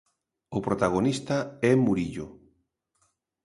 O protagonista é Murillo.